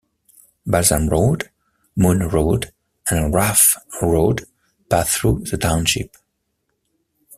Balsam Road, Moen Road, and Graff Road pass through the township.